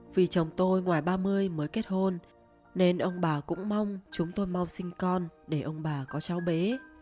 vì chồng tôi ngoài ba mươi mới kết hôn nên ông bà cũng mong chúng tôi mau sinh con để ông bà có cháu bé